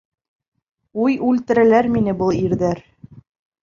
Уй, үлтерәләр мине был ирҙәр!